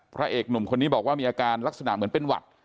พระเอกหนุ่มคนนี้บอกว่ามีอาการลักษณะเหมือนเป็นหวัด